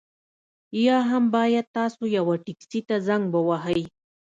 یا هم باید تاسو یوه ټکسي ته زنګ ووهئ